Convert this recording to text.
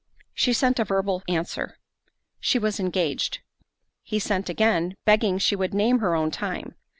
She sent a verbal answer, "She was engaged." He sent again, begging she would name her own time.